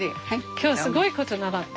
今日すごいこと習った。